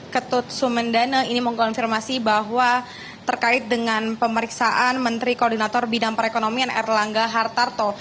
ketut sumendane ini mengkonfirmasi bahwa terkait dengan pemeriksaan menteri koordinator bidang perekonomian erlangga hartarto